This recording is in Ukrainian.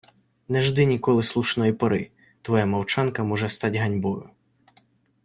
Не жди ніколи слушної пори – твоя мовчанка може стать ганьбою!